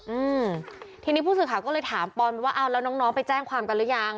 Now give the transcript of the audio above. อืมทีนี้ผู้สื่อข่าวก็เลยถามปอนไปว่าอ้าวแล้วน้องน้องไปแจ้งความกันหรือยัง